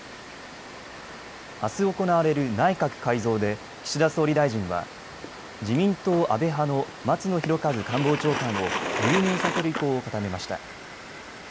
あす行われる内閣改造で岸田総理大臣は自民党安倍派の松野博一官房長官を留任させる意向を固めました。